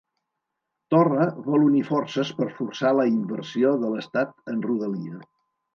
Torra vol unir forces per forçar la inversió de l'estat en Rodalia